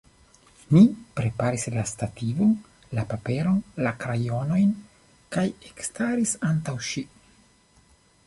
Mi preparis la stativon, la paperon, la krajonojn kaj ekstaris antaŭ ŝi.